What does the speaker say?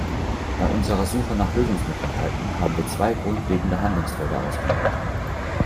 Bei unserer Suche nach Lösungsmöglichkeiten haben wir zwei grundlegende Handlungsfelder ausgemacht.